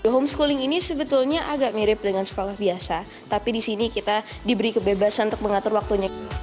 homeschooling ini sebetulnya agak mirip dengan sekolah biasa tapi di sini kita diberi kebebasan untuk mengatur waktunya